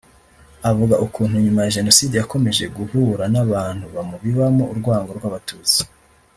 Avuga ukuntu nyuma ya Jenoside yakomeje guhura n’abantu bamubibamo urwango rw’Abatutsi